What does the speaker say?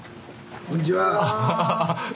こんにちは。